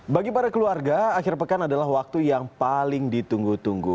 bagi para keluarga akhir pekan adalah waktu yang paling ditunggu tunggu